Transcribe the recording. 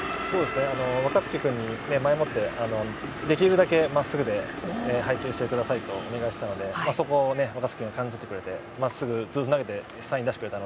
若月君に前もってできるだけまっすぐで配球してくださいとお願いしたのでそこを若月君も感じ取ってくれてまっすぐずっとサインを出してくれて